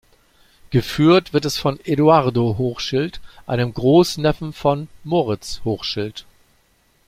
Geführt wird es von Eduardo Hochschild, einem Großneffen von Moritz Hochschild.